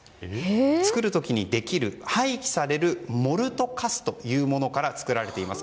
作る時にできる、廃棄されるモルトカスというものから作られています。